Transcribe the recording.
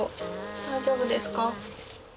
大丈夫ですか？